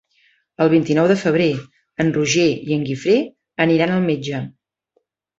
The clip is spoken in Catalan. El vint-i-nou de febrer en Roger i en Guifré aniran al metge.